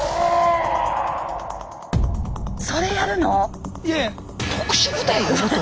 それやるの⁉